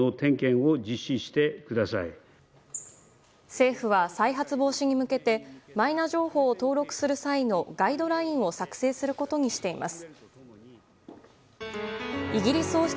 政府は再発防止に向けてマイナ情報を登録する際のガイドラインを作成することにしています。